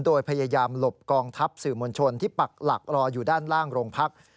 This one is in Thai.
โดยพยายามหลบกองทัพสื่อมวลชนที่ปักหลักรออยู่ด้านล่างโรงพัก